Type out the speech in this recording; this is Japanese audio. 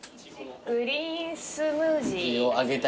グリーンスムージー。